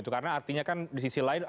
karena artinya kan di sisi lainnya